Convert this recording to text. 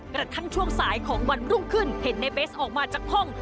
กระทั่งช่วงสายของวันรุ่งขึ้นเห็นในเบสออกมาจากห้อง